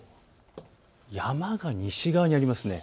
山が西側にありますね。